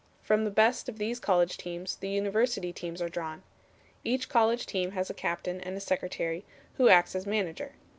From the best of these college teams the university teams are drawn. Each college team has a captain and a secretary, who acts as manager.